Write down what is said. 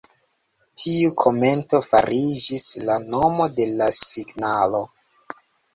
Tiu komento fariĝis la nomo de la signalo.